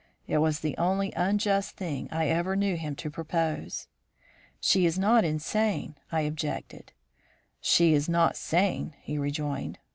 It was the only unjust thing I ever knew him to propose. "'She is not insane,' I objected. "'She is not sane,' he rejoined.